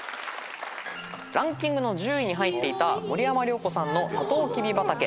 ランキングの１０位に入っていた森山良子さんの『さとうきび畑』